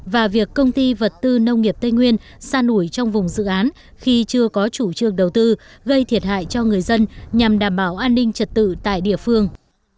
và việc công ty vật tư nông nghiệp tây nguyên san ủi trong vùng dự án khi chưa có chủ trương đầu tư gây thiệt hại cho người dân nhằm đảm bảo an ninh trật tự tại địa phương